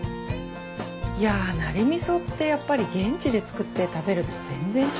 いやナリ味噌ってやっぱり現地で作って食べると全然違う。